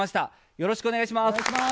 よろしくお願いします。